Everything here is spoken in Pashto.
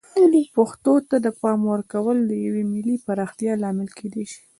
پښتو ته د پام ورکول د یوې ملي پراختیا لامل کیدای شي.